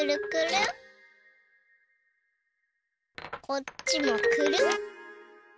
こっちもくるん。